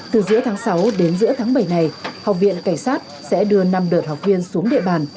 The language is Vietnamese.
từ giữa tháng sáu đến giữa tháng bảy này học viện cảnh sát sẽ đưa năm đợt học viên xuống địa bàn